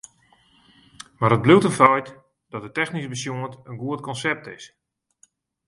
Mar it bliuwt in feit dat it technysk besjoen in goed konsept is.